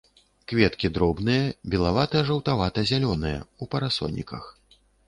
Кветкі дробныя, белавата-жаўтавата-зялёныя, у парасоніках.